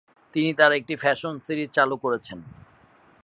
তিনি তার একটি ফ্যাশন সিরিজ চালু করছেন।